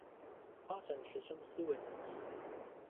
發展學生思維能力